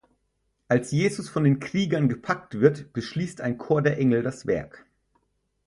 Als Jesus von den Kriegern gepackt wird, beschließt ein Chor der Engel das Werk.